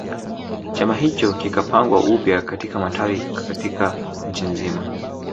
Chama hicho kikapangwa upya katika matawi katika nchi nzima